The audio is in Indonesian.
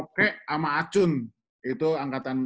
oke sama acun itu angkatan angkatan